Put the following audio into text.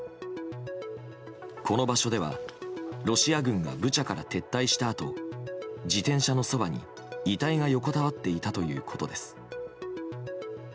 この場所ではロシア軍がブチャから撤退したあと自転車のそばに遺体が横たわっていたということです。